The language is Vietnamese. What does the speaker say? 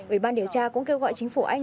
ủy ban điều tra cũng kêu gọi chính phủ anh